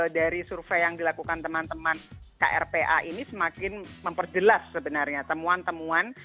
dari survei yang dilakukan teman teman krpa ini semakin memperjelas sebenarnya temuan temuan